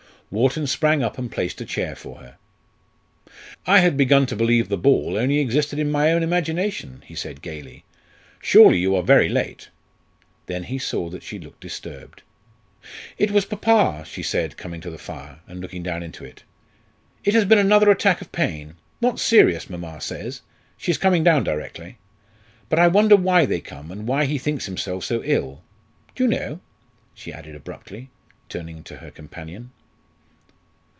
Wharton sprang up and placed a chair for her. "I had begun to believe the ball only existed in my own imagination!" he said gaily. "Surely you are very late." Then he saw that she looked disturbed. "It was papa," she said, coming to the fire, and looking down into it. "It has been another attack of pain not serious, mamma says; she is coming down directly. But I wonder why they come, and why he thinks himself so ill do you know?" she added abruptly, turning to her companion.